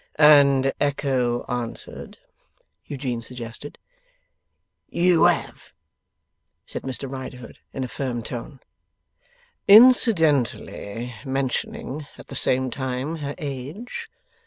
'And echo answered ?' Eugene suggested. '"You have,"' said Mr Riderhood, in a firm tone. 'Incidentally mentioning, at the same time, her age?